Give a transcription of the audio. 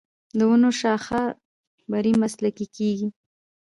د ونو شاخه بري مسلکي کیږي.